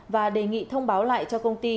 và đề nghị thông báo lại cho công ty